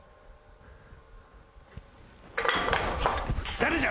誰じゃ？